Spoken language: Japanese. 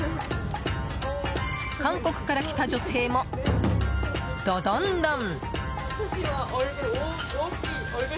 韓国から来た女性も、ドドンドン。